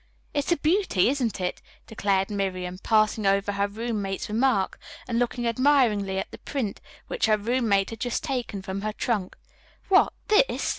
"It's a beauty, isn't it?" declared Miriam, passing over her roommate's remark and looking admiringly at the print, which her roommate had just taken from her trunk. "What, this?"